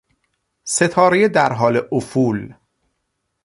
ستارهی در حال افول